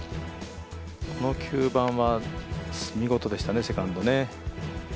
この９番は見事でしたね、セカンドね。